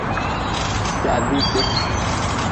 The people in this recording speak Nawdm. Jaha diite.